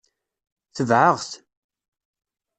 Tebɛeɣ-t.